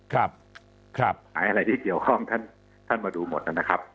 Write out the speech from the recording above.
หายอะไรที่เกี่ยวข้องท่านมาดูหมดนะครับ